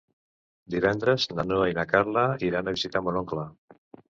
Divendres na Noa i na Carla iran a visitar mon oncle.